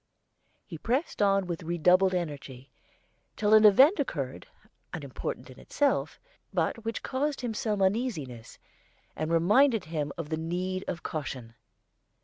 He pressed on with redoubled energy till an event occurred, unimportant in itself, but which caused him some uneasiness, and reminded him of the need of caution.